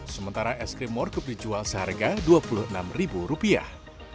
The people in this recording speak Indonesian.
sementara es krim morkup dijual seharga dua puluh enam ribu rupiah